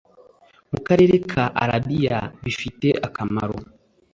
mu karere ka Arabiya bifite akamaro